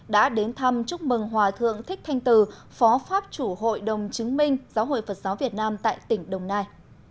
đã đến thăm chúc mừng hòa thượng thích thanh từ phó pháp chủ hội đồng chứng minh giáo hội phật giáo việt nam tại tỉnh đồng nai